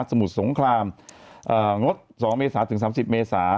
มุสงครามงด๒เมษาถึง๓๐เมษา